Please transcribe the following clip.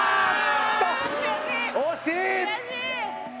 惜しい！